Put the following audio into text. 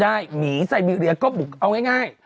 การบุกวัดมีไซเบีเรียนก็บุกเอาง่าย